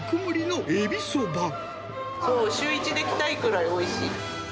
週１で来たいぐらいおいしい。